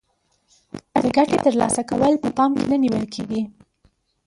د ګټې تر لاسه کول په پام کې نه نیول کیږي.